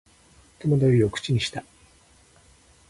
戸惑いを口にした